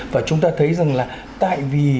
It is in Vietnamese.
và chúng ta thấy rằng là tại vì